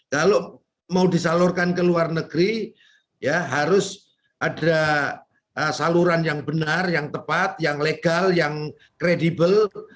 kalau mau disalurkan ke luar negeri ya harus ada saluran yang benar yang tepat yang legal yang kredibel